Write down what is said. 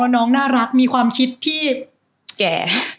น้องน่ารักมีความคิดที่แก่